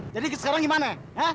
jadi sekarang gimana